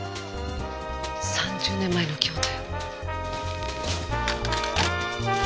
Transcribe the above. ３０年前の京都よ。